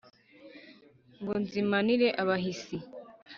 Ngo nzimanire abahisi